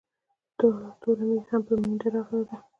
توره مېږه هم پر مينده راغلې ده